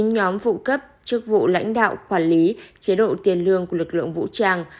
chín nhóm vụ cấp chức vụ lãnh đạo quản lý chế độ tiền lương của lực lượng vũ trang